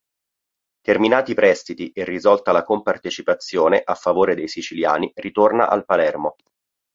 Terminati i prestiti e risolta la compartecipazione a favore dei siciliani ritorna al Palermo.